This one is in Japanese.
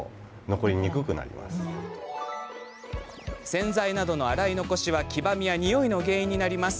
洗剤などの洗い残しは黄ばみやニオイの原因になります。